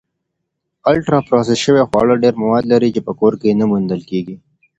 الټرا پروسس شوي خواړه ډېری مواد لري چې په کور کې نه موندل کېږي.